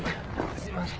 すいません。